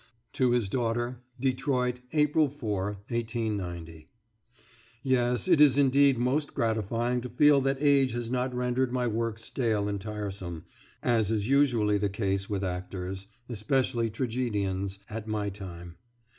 TO HIS DAUGHTER DETROIT, April 04, 1890. ... Yes; it is indeed most gratifying to feel that age has not rendered my work stale and tiresome, as is usually the case with actors (especially tragedians) at my time.